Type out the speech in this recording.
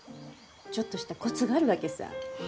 ちょっとしたコツがあるわけさぁ。